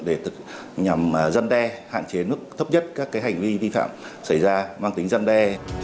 để nhằm giăn đe hạn chế mức thấp nhất các hành vi vi phạm xảy ra mang tính dân đe